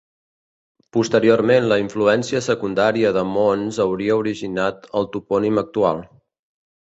Posteriorment la influència secundària de mons hauria originat el topònim actual.